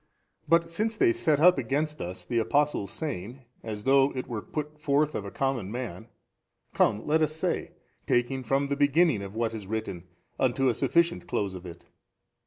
A. But since they set up against us the Apostle's saying, as though it were put forth of a common man, come let us say, taking from the beginning of what is written unto a sufficient close of it.